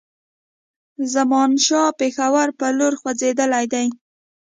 زمانشاه پېښور پر لور خوځېدلی دی.